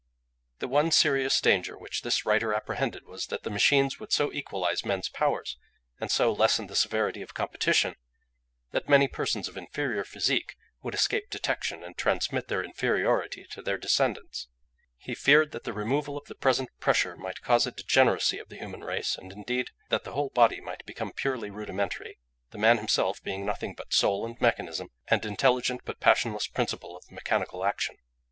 The one serious danger which this writer apprehended was that the machines would so equalise men's powers, and so lessen the severity of competition, that many persons of inferior physique would escape detection and transmit their inferiority to their descendants. He feared that the removal of the present pressure might cause a degeneracy of the human race, and indeed that the whole body might become purely rudimentary, the man himself being nothing but soul and mechanism, an intelligent but passionless principle of mechanical action.